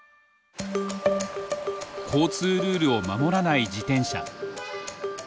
交通ルールを守らない自転車。